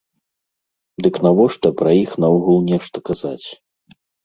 Дык навошта пра іх наогул нешта казаць?